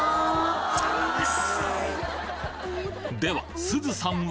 ではすずさんは？